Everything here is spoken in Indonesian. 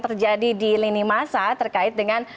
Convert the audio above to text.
terjadi di lini masa terkait dengan